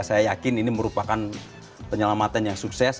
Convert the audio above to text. saya yakin ini merupakan penyelamatan yang sukses